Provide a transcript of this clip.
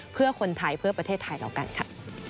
เพื่อคนไทยเพื่อประเทศไทยเรากันค่ะ